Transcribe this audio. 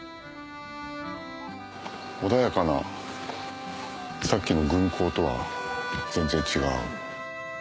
穏やかなさっきの軍港とは全然違う。